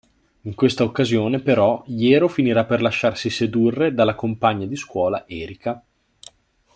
In questa occasione però Jero finirà per lasciarsi sedurre dalla compagna di scuola Erika.